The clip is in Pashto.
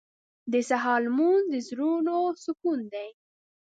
• د سهار لمونځ د زړونو سکون دی.